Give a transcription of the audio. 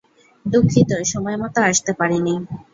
দুঃখিত সময়মতো আসতে পারিনি।